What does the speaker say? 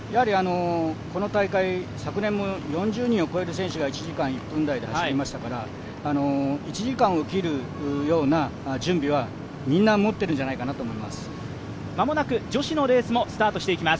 この大会昨年も４０人を超える選手が１時間１分台で走りましたから１時間を切るような準備はみんな持ってるんじゃないかと思います。